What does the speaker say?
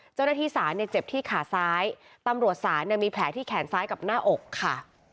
เจ้าหน้าที่สารเจ็บที่ขาซ้ายตำรวจสารมีแผลที่แขนซ้ายกับหน้าอกค่ะ